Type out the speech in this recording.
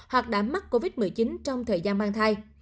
hoặc đã mắc covid một mươi chín trong thời gian mang thai